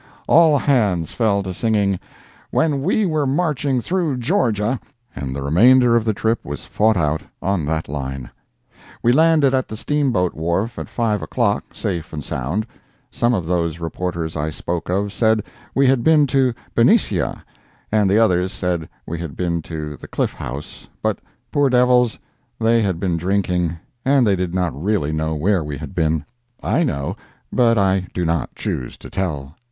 All hands fell to singing "When we were Marching Through Georgia," and the remainder of the trip was fought out on that line. We landed at the steamboat wharf at 5 o'clock, safe and sound. Some of those reporters I spoke of said we had been to Benicia, and the others said we had been to the Cliff House, but, poor devils, they had been drinking, and they did not really know where we had been. I know, but I do not choose to tell.